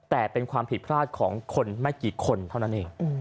แต่เป็นความผิดพลาดของคนไม่กี่คนเท่านั้นเอง